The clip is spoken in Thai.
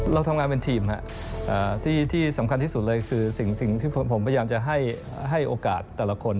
เราทำงานเป็นทีมครับที่สำคัญที่สุดเลยคือสิ่งที่ผมพยายามจะให้โอกาสแต่ละคน